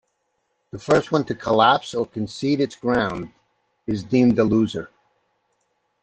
The first one to collapse or concede its ground is deemed the loser.